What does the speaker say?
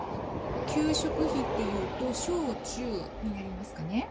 給食費というと小中になりますかね。